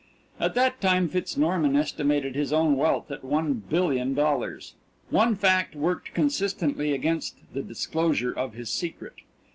At that time Fitz Norman estimated his own wealth at one billion dollars. One fact worked consistently against the disclosure of his secret.